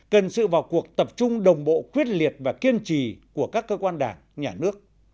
cần sự vào cuộc tập trung đồng bộ quyết liệt và kiên trì của các cơ quan đảng nhà nước